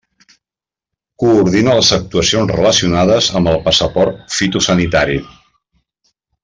Coordina les actuacions relacionades amb el passaport fitosanitari.